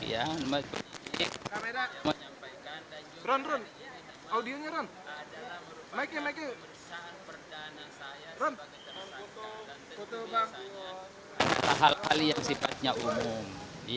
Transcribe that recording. saya berusaha perjalanan saya sebagai tersangka dan sesuai dengan hal hal yang sifatnya umum